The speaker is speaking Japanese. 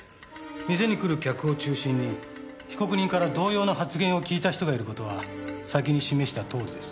店に来る客を中心に被告人から同様の発言を聞いた人がいる事は先に示したとおりです。